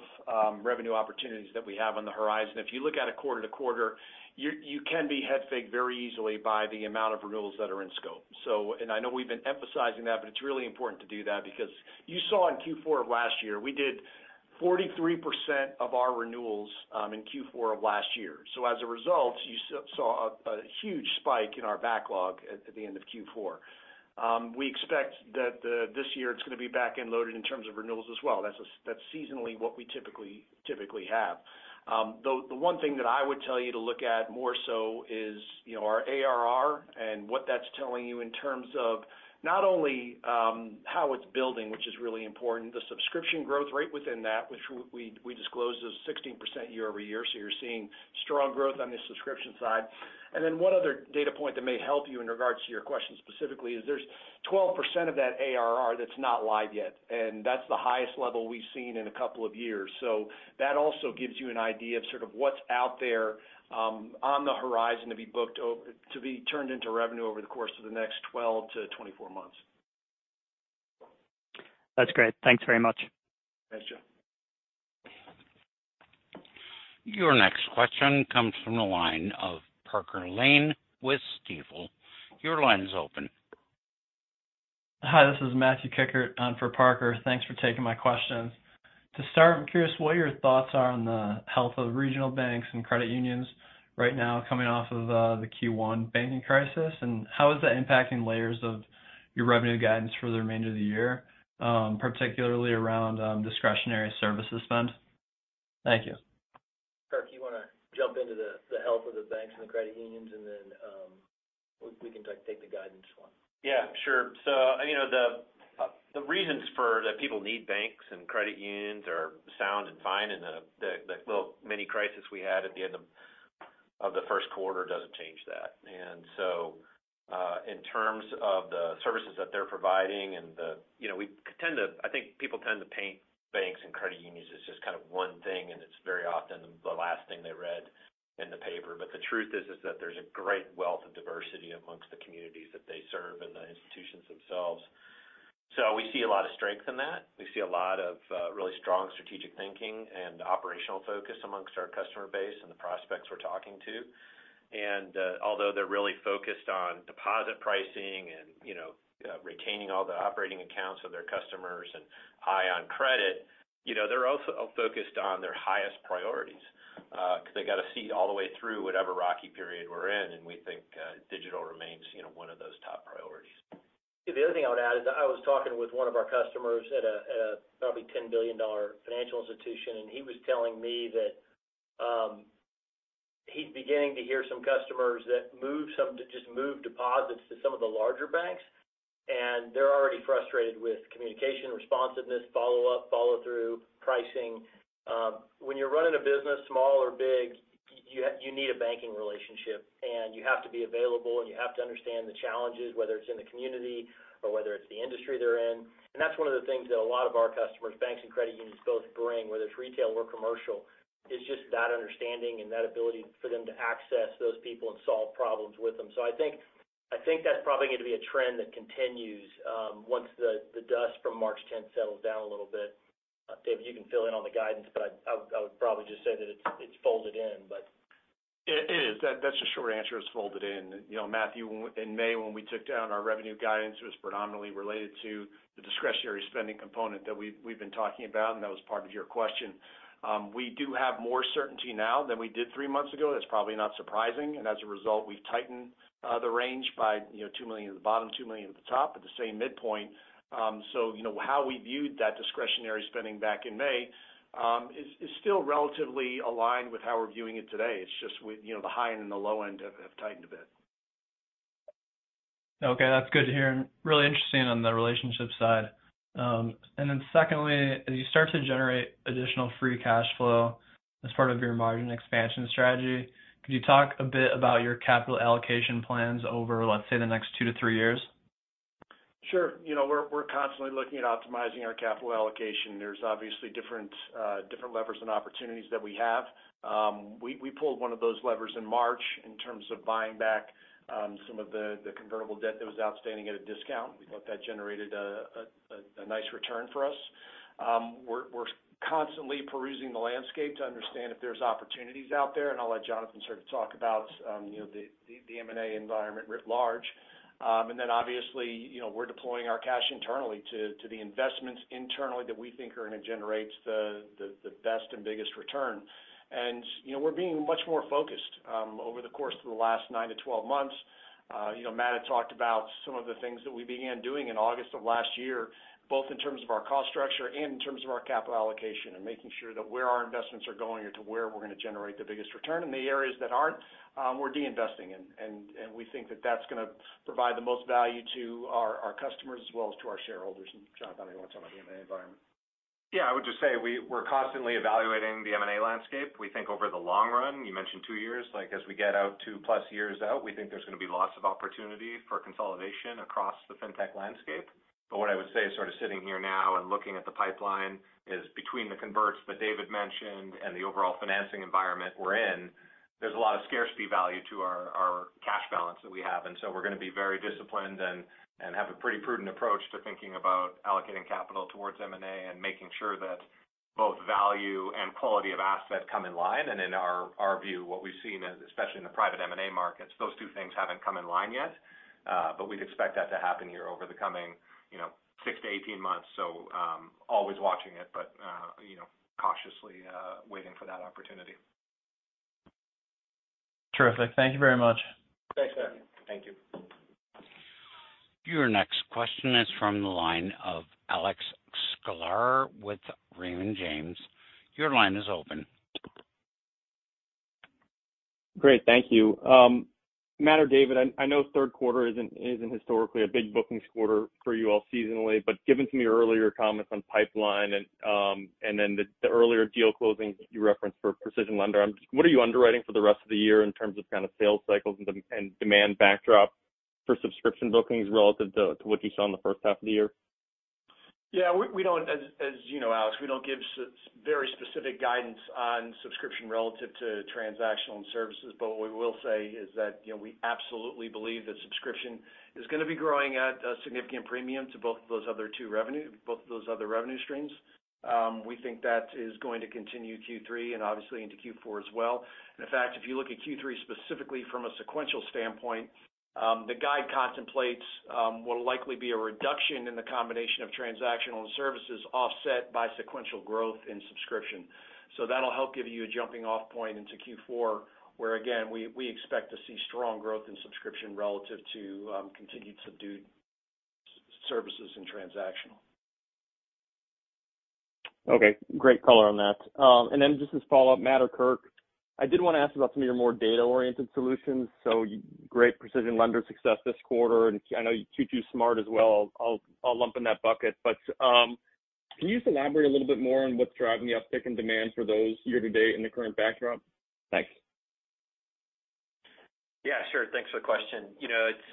revenue opportunities that we have on the horizon. If you look at it quarter to quarter, you, you can be headfaked very easily by the amount of renewals that are in scope. And I know we've been emphasizing that, but it's really important to do that because you saw in Q4 of last year, we did 43% of our renewals in Q4 of last year. As a result, you saw a huge spike in our backlog at the end of Q4. We expect that this year, it's going to be back-end loaded in terms of renewals as well. That's, that's seasonally what we typically, typically have. The one thing that I would tell you to look at more so is, you know, our ARR and what that's telling you in terms of not only, how it's building, which is really important, the subscription growth rate within that, which we disclose is 16% year-over-year, so you're seeing strong growth on the subscription side. And then one other data point that may help you in regards to your question specifically, is there's 12% of that ARR that's not live yet, and that's the highest level we've seen in a couple of years. That also gives you an idea of sort of what's out there, on the horizon to be booked to be turned into revenue over the course of the next 12-2024 months. That's great. Thanks very much. Thanks, Joe. Your next question comes from the line of Parker Lane with Stifel. Your line is open. Hi, this is Matthew Kikkert for Parker. Thanks for taking my questions. To start, I'm curious what your thoughts are on the health of regional banks and credit unions right now, coming off of the Q1 banking crisis, and how is that impacting layers of your revenue guidance for the remainder of the year, particularly around discretionary services spend? Thank you. Kirk, you want to jump into the, the health of the banks and the credit unions, and then, we, we can take the guidance one? Yeah, sure. You know, the reasons for that people need banks and credit unions are sound and fine, and the little mini-crisis we had at the end of the first quarter doesn't change that. In terms of the services that they're providing and the, You know, I think people tend to paint banks and credit unions as just kind of one thing, and it's very often the last thing they read in the paper. The truth is, is that there's a great wealth of diversity amongst the communities that they serve and the institutions themselves. We see a lot of strength in that. We see a lot of really strong strategic thinking and operational focus amongst our customer base and the prospects we're talking to. Although they're really focused on deposit pricing and, you know, retaining all the operating accounts of their customers and high on credit, you know, they're also focused on their highest priorities because they got to see all the way through whatever rocky period we're in, and we think digital remains, you know, one of those top priorities. The other thing I would add is that I was talking with one of our customers at a, a probably $10 billion financial institution, and he was telling me that, he's beginning to hear some customers that just move deposits to some of the larger banks, and they're already frustrated with communication, responsiveness, follow-up, follow-through, pricing. When you're running a business, small or big, you, you need a banking relationship, and you have to be available, and you have to understand the challenges, whether it's in the community or whether it's the industry they're in. That's one of the things that a lot of our customers, banks and credit unions, both bring, whether it's retail or commercial, is just that understanding and that ability for them to access those people and solve problems with them. I think, I think that's probably going to be a trend that continues, once the, the dust from March 10 settles down a little bit. David, you can fill in on the guidance, but I, I would, I would probably just say that it's, it's folded in, but. It is. That, that's the short answer, it's folded in. You know, Matthew, in May, when we took down our revenue guidance, it was predominantly related to the discretionary spending component that we've, we've been talking about, and that was part of your question. We do have more certainty now than we did 3 months ago. That's probably not surprising, and as a result, we've tightened the range by, you know, $2 million at the bottom, $2 million at the top, at the same midpoint. You know, how we viewed that discretionary spending back in May, is still relatively aligned with how we're viewing it today. It's just with, you know, the high and the low end have, have tightened a bit. Okay, that's good to hear, and really interesting on the relationship side. Secondly, as you start to generate additional free cash flow as part of your margin expansion strategy, could you talk a bit about your capital allocation plans over, let's say, the next two to three years? Sure. You know, we're constantly looking at optimizing our capital allocation. There's obviously different, different levers and opportunities that we have. We pulled one of those levers in March in terms of buying back some of the convertible debt that was outstanding at a discount. We thought that generated a nice return for us. We're constantly perusing the landscape to understand if there's opportunities out there, and I'll let Jonathan sort of talk about, you know, the M&A environment writ large. Then obviously, you know, we're deploying our cash internally to the investments internally that we think are going to generate the best and biggest return. You know, we're being much more focused over the course of the last nine to 12 months. You know, Matt had talked about some of the things that we began doing in August of last year, both in terms of our cost structure and in terms of our capital allocation, and making sure that where our investments are going or to where we're gonna generate the biggest return. In the areas that aren't, we're de-investing, and we think that that's gonna provide the most value to our customers as well as to our shareholders. Jonathan, you want to talk about the M&A environment? Yeah, I would just say, we're constantly evaluating the M&A landscape. We think over the long run, you mentioned two years, like, as we get out two+ years out, we think there's gonna be lots of opportunity for consolidation across the fintech landscape. What I would say is sort of sitting here now and looking at the pipeline, is between the converts that David mentioned and the overall financing environment we're in, there's a lot of scarcity value to our, our cash balance that we have. We're gonna be very disciplined and, and have a pretty prudent approach to thinking about allocating capital towards M&A and making sure that both value and quality of asset come in line. In our, our view, what we've seen is, especially in the private M&A markets, those two things haven't come in line yet, but we'd expect that to happen here over the coming, you know, 6-18 months. Always watching it, but, you know, cautiously, waiting for that opportunity. Terrific. Thank you very much. Thanks, sir. Thank you. Your next question is from the line of Alex Sklar with Raymond James. Your line is open. Great, thank you. Matt or David, I, I know third quarter isn't, isn't historically a big bookings quarter for you all seasonally, but given some of your earlier comments on pipeline and, and then the, the earlier deal closings you referenced for PrecisionLender, what are you underwriting for the rest of the year in terms of kind of sales cycles and demand backdrop for subscription bookings relative to, to what you saw in the first half of the year? Yeah, we, we don't, as, as you know, Alex, we don't give very specific guidance on subscription relative to transactional and services, but what we will say is that, you know, we absolutely believe that subscription is gonna be growing at a significant premium to both those other two revenue, both those other revenue streams. We think that is going to continue Q3 and obviously into Q4 as well. In fact, if you look at Q3 specifically from a sequential standpoint, the guide contemplates, will likely be a reduction in the combination of transactional and services, offset by sequential growth in subscription. That'll help give you a jumping off point into Q4, where, again, we, we expect to see strong growth in subscription relative to, continued subdued services and transactional. Okay, great color on that. Just as a follow-up, Matt or Kirk, I did want to ask about some of your more data-oriented solutions. Great PrecisionLender success this quarter, and I know Q2 Smart as well. I'll, I'll lump in that bucket. Can you elaborate a little bit more on what's driving the uptick in demand for those year to date in the current backdrop? Thanks. Yeah, sure. Thanks for the question. You know, it's,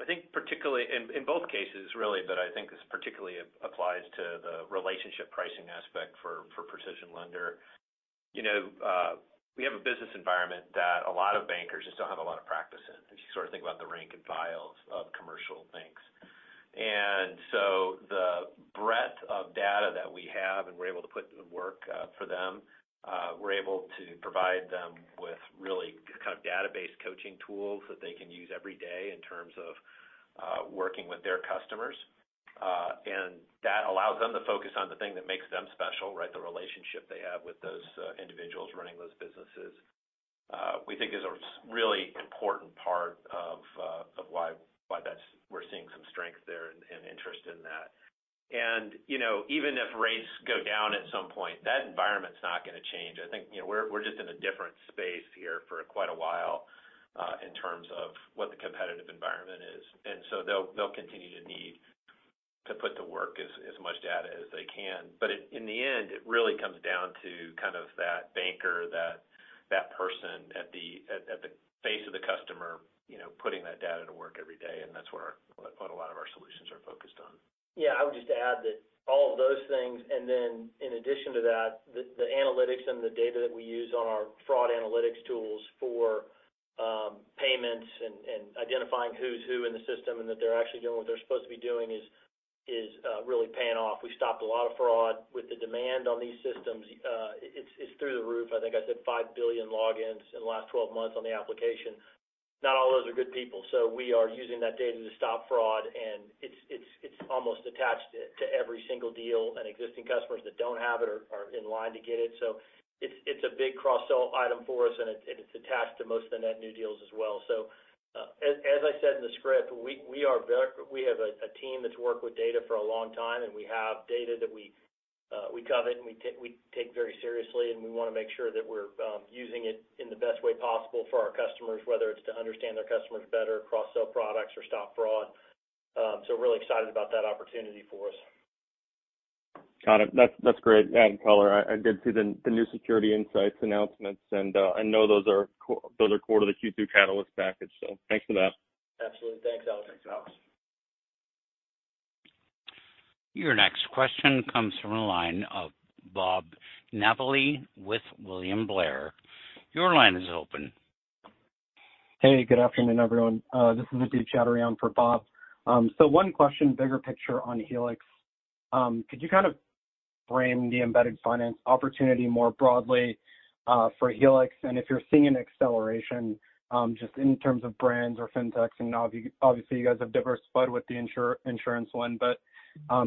I think particularly in, in both cases, really, but I think this particularly applies to the relationship pricing aspect for, for PrecisionLender. You know, we have a business environment that a lot of bankers just don't have a lot of practice in, if you sort of think about the rank and files of commercial banks. The breadth of data that we have, and we're able to put the work for them, we're able to provide them with really kind of database coaching tools that they can use every day in terms of working with their customers. That allows them to focus on the thing that makes them special, right? The relationship they have with those individuals running those businesses, we think is a really important part of why, why we're seeing some strength there and, and interest in that. You know, even if rates go down at some point, that environment's not gonna change. I think, you know, we're, we're just in a different space here for quite a while in terms of what the competitive environment is. So they'll, they'll continue to need to put the work as, as much data as they can. In, in the end, it really comes down to kind of that banker, that, that person at the face of the customer, you know, putting that data to work every day, and that's what a lot of our solutions are focused on. Yeah, I would just add that all of those things, and then in addition to that, the analytics and the data that we use on our fraud analytics tools for payments and identifying who's who in the system, and that they're actually doing what they're supposed to be doing, is really paying off. We stopped a lot of fraud. With the demand on these systems, it's through the roof. I think I said 5 billion logins in the last 12 months on the application. Not all those are good people, so we are using that data to stop fraud, and it's almost attached to every single deal, and existing customers that don't have it are in line to get it. It's, it's a big cross-sell item for us, and it's, and it's attached to most of the net new deals as well. As, as I said in the script, we have a team that's worked with data for a long time, and we have data that we covet and we take very seriously, and we want to make sure that we're using it in the best way possible for our customers, whether it's to understand their customers better, cross-sell products, or stop fraud. We're really excited about that opportunity for us. Got it. That's, that's great to add color. I, I did see the, the new Security Insights announcements, and I know those are core to the Q2 Catalyst package, so thanks for that. Absolutely. Thanks, Alex. Thanks, Alex. Your next question comes from the line of Bob Napoli with William Blair. Your line is open. Hey, good afternoon, everyone. This is Adib Choudhury for Bob. One question, bigger picture on Helix. Could you kind of frame the embedded finance opportunity more broadly for Helix? If you're seeing an acceleration, just in terms of brands or Fintechs, I know, obviously, you guys have diversified with the insurance one, but,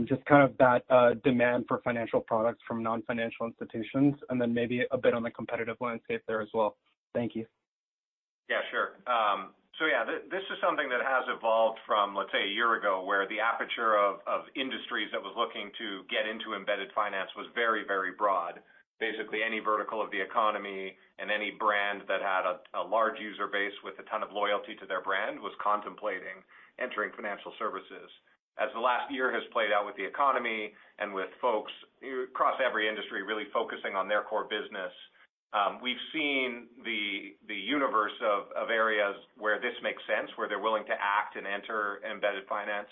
just kind of that, demand for financial products from non-financial institutions, then maybe a bit on the competitive landscape there as well. Thank you. Yeah, sure. So yeah, this is something that has evolved from, let's say, a year ago, where the aperture of industries that was looking to get into embedded finance was very, very broad. Basically, any vertical of the economy and any brand that had a large user base with a ton of loyalty to their brand, was contemplating entering financial services. As the last year has played out with the economy and with folks across every industry really focusing on their core business, we've seen the universe of areas where this makes sense, where they're willing to act and enter embedded finance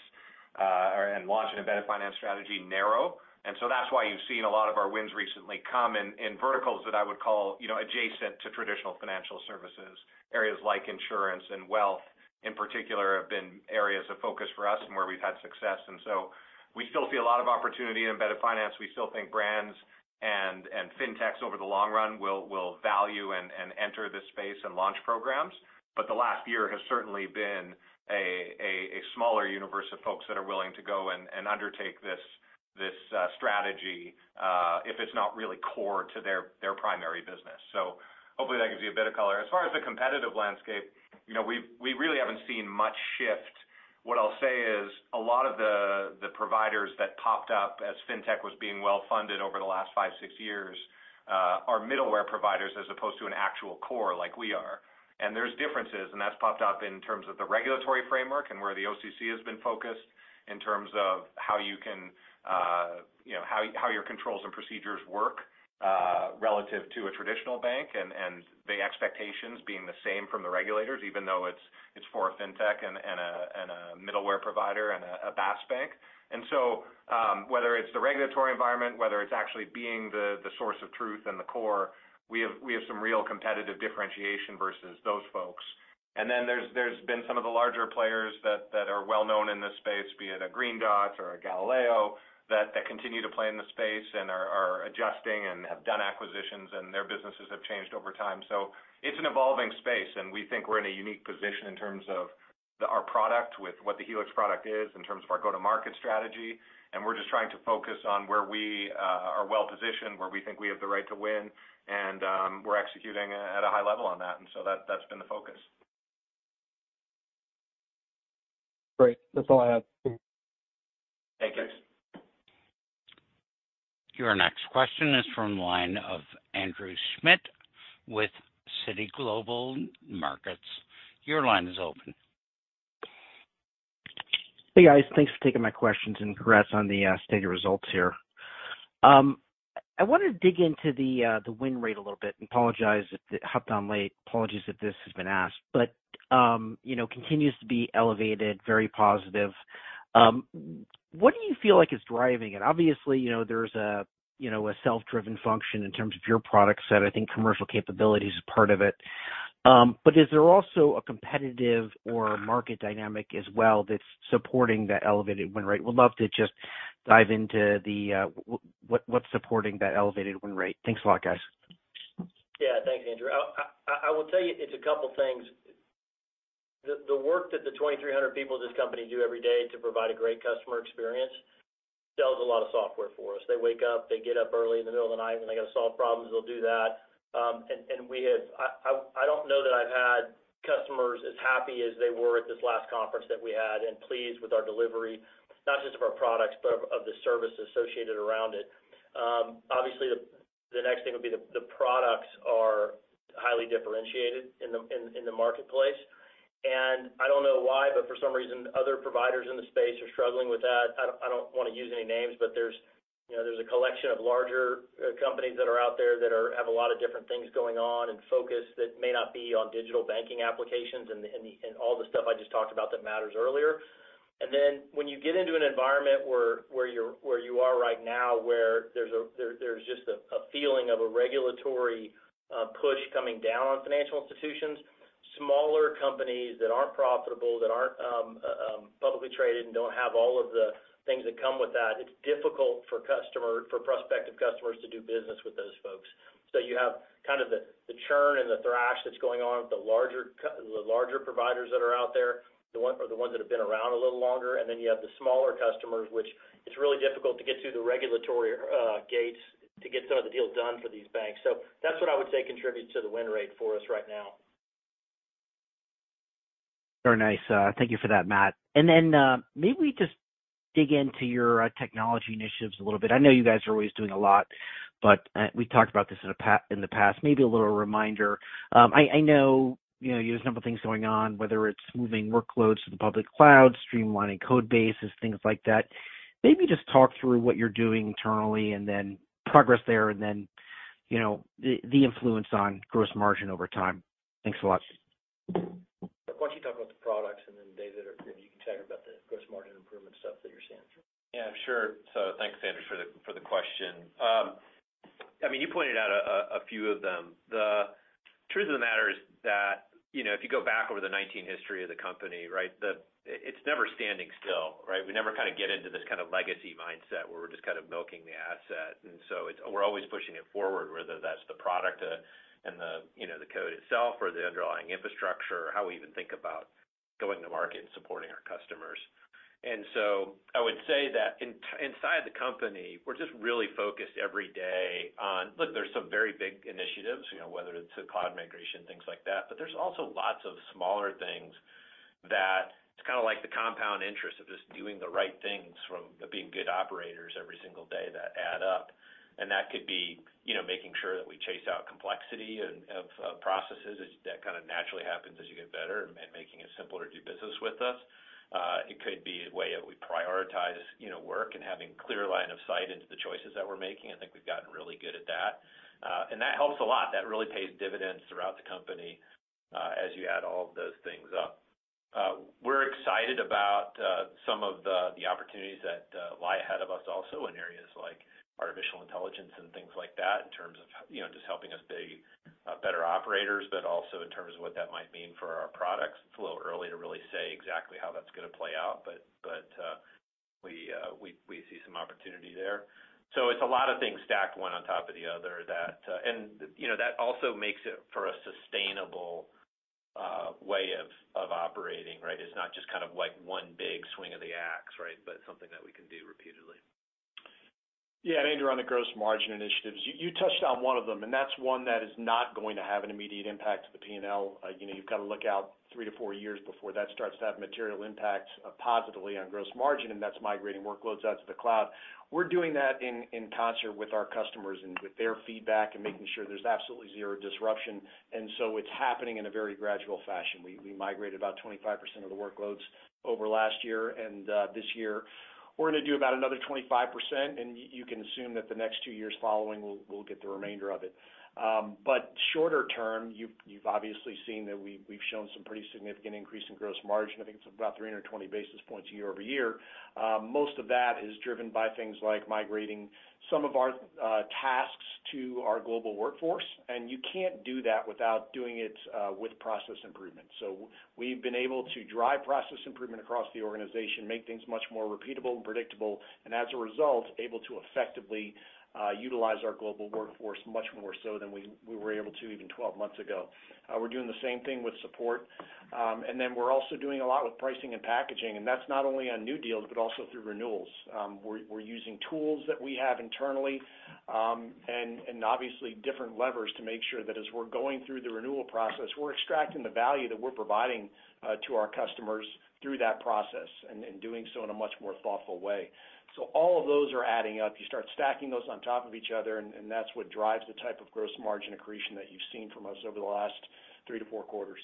and launch an embedded finance strategy narrow. That's why you've seen a lot of our wins recently come in verticals that I would call, you know, adjacent to traditional financial services. Areas like insurance and wealth, in particular, have been areas of focus for us and where we've had success. We still see a lot of opportunity in embedded finance. We still think brands and Fintechs, over the long run, will value and enter this space and launch programs. The last year has certainly been a smaller universe of folks that are willing to go and undertake this, this strategy, if it's not really core to their primary business. Hopefully, that gives you a bit of color. As far as the competitive landscape, you know, we really haven't seen much shift. What I'll say is, a lot of the, the providers that popped up as fintech was being well-funded over the last five, six years, are middleware providers as opposed to an actual core like we are. There's differences, and that's popped up in terms of the regulatory framework and where the OCC has been focused, in terms of how you can, you know, how, how your controls and procedures work, relative to a traditional bank, and, and the expectations being the same from the regulators, even though it's, it's for a fintech and a, and a middleware provider and a, a BaaS bank. Whether it's the regulatory environment, whether it's actually being the, the source of truth and the core, we have, we have some real competitive differentiation versus those folks. Then there's, there's been some of the larger players that, that are well known in this space, be it a Green Dot or a Galileo, that, that continue to play in the space and are, are adjusting and have done acquisitions, and their businesses have changed over time. It's an evolving space, and we think we're in a unique position in terms of our product, with what the Helix product is, in terms of our go-to-market strategy, and we're just trying to focus on where we are well positioned, where we think we have the right to win, and we're executing at a high level on that, and so that's been the focus. Great. That's all I have. Thank you. Your next question is from the line of Andrew Schmidt with Citi Global Markets. Your line is open. Hey, guys. Thanks for taking my questions and congrats on the stated results here. I wanted to dig into the win rate a little bit and apologize if I hopped on late. Apologies if this has been asked, but, you know, continues to be elevated, very positive. What do you feel like is driving it? Obviously, you know, there's a, you know, a self-driven function in terms of your product set. I think commercial capability is a part of it. Is there also a competitive or market dynamic as well that's supporting that elevated win rate? Would love to just dive into what's supporting that elevated win rate. Thanks a lot, guys. Yeah, thanks, Andrew. I will tell you, it's a couple things. The work that the 2,300 people in this company do every day to provide a great customer experience sells a lot of software for us. They wake up, they get up early in the middle of the night, when they got to solve problems, they'll do that. And we have, I don't know that I've had customers as happy as they were at this last conference that we had, and pleased with our delivery, not just of our products, but of the service associated around it. Obviously, the next thing would be the products are highly differentiated in the marketplace. I don't know why, but for some reason, other providers in the space are struggling with that. I don't, I don't want to use any names, but there's, you know, there's a collection of larger companies that are out there that have a lot of different things going on and focus that may not be on digital banking applications and all the stuff I just talked about that matters earlier. When you get into an environment where you are right now, where there's just a feeling of a regulatory push coming down on financial institutions, smaller companies that aren't profitable, that aren't publicly traded and don't have all of the things that come with that, it's difficult for prospective customers to do business with those folks. You have kind of the, the churn and the thrash that's going on with the larger providers that are out there, the ones that have been around a little longer, and then you have the smaller customers, which it's really difficult to get through the regulatory gates to get some of the deals done for these banks. That's what I would say contributes to the win rate for us right now. Very nice. Thank you for that, Matt. Then, maybe we just dig into your technology initiatives a little bit. I know you guys are always doing a lot, but, we talked about this in the past, maybe a little reminder. I know, you know, there's a number of things going on, whether it's moving workloads to the public cloud, streamlining code bases, things like that. Maybe just talk through what you're doing internally, and then progress there, and then, you know, the, the influence on gross margin over time. Thanks a lot. Why don't you talk about the products, and then, David, or maybe you can talk about the gross margin improvement stuff that you're seeing? Yeah, sure. Thanks, Andrew, for the, for the question. I mean, you pointed out a, a, a few of them. The truth of the matter is that, you know, if you go back over the 19 history of the company, right? It's never standing still, right? We never kind of get into this kind of legacy mindset where we're just kind of milking the asset, and so we're always pushing it forward, whether that's the product, and the, you know, the code itself or the underlying infrastructure, or how we even think about going to market and supporting our customers. I would say that in, inside the company, we're just really focused every day on... Look, there's some very big initiatives, you know, whether it's the cloud migration, things like that, but there's also lots of smaller things that it's kind of like the compound interest of just doing the right things, from being good operators every single day, that add up. That could be, you know, making sure that we chase out complexity and of processes as that kind of naturally happens as you get better and making it simpler to do business with us. It could be a way that we prioritize, you know, work and having clear line of sight into the choices that we're making. I think we've gotten really good at that. That helps a lot. That really pays dividends throughout the company, as you add all of those things up. We're excited about some of the opportunities that lie ahead of us also in areas like artificial intelligence and things like that, in terms of, you know, just helping us be better operators, but also in terms of what that might mean for our products. It's a little early to really say exactly how that's gonna play out, but, but we, we see some opportunity there. It's a lot of things stacked one on top of the other that, You know, that also makes it for a sustainable way of operating, right? It's not just kind of like one big swing of the axe, right? Something that we can do repeatedly. Yeah, and Andrew, on the gross margin initiatives, you touched on one of them, and that's one that is not going to have an immediate impact to the P&L. You know, you've got to look out 3-4 years before that starts to have material impact, positively on gross margin, and that's migrating workloads out to the cloud. We're doing that in, in concert with our customers and with their feedback and making sure there's absolutely zero disruption, and so it's happening in a very gradual fashion. We migrated about 20-25% of the workloads over last year, and this year we're gonna do about another 20-25%, and you can assume that the next 2 years following, we'll, we'll get the remainder of it. Shorter term, you've, you've obviously seen that we've shown some pretty significant increase in gross margin. I think it's about 320 basis points year-over-year. Most of that is driven by things like migrating some of our tasks to our global workforce, and you can't do that without doing it with process improvement. We've been able to drive process improvement across the organization, make things much more repeatable and predictable, and as a result, able to effectively utilize our global workforce much more so than we were able to even 12 months ago. We're doing the same thing with support. Then we're also doing a lot with pricing and packaging, and that's not only on new deals, but also through renewals. We're, we're using tools that we have internally, and, and obviously different levers to make sure that as we're going through the renewal process, we're extracting the value that we're providing to our customers through that process and, and doing so in a much more thoughtful way. All of those are adding up. You start stacking those on top of each other, and, and that's what drives the type of gross margin accretion that you've seen from us over the last three to four quarters.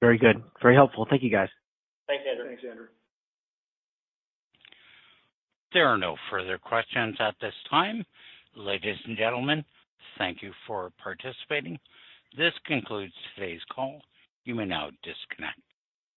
Very good. Very helpful. Thank you, guys. Thanks, Andrew. Thanks, Andrew. There are no further questions at this time. Ladies and gentlemen, thank you for participating. This concludes today's call. You may now disconnect.